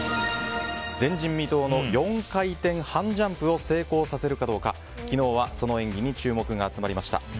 前人未到の４回転半ジャンプを成功させるかどうか昨日は、その演技に注目が集まりました。